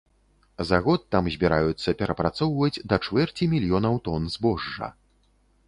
За год там збіраюцца перапрацоўваць да чвэрці мільёнаў тон збожжа.